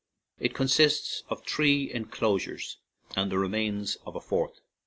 It con sists of three enclosures and the remains of a fourth.